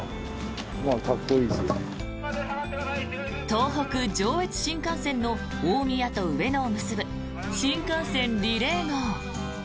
東北・上越新幹線の大宮と上野を結ぶ新幹線リレー号。